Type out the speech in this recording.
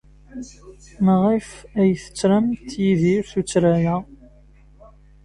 Maɣef ay tettremt Yidir tuttra-a?